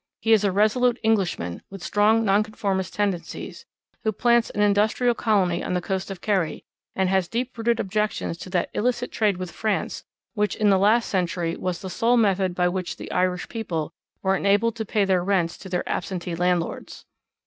He is a resolute 'Englishman, with strong Nonconformist tendencies,' who plants an industrial colony on the coast of Kerry, and has deep rooted objections to that illicit trade with France which in the last century was the sole method by which the Irish people were enabled to pay their rents to their absentee landlords.